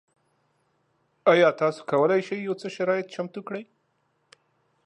ایا تاسو کولی شئ یو څه شرایط چمتو کړئ؟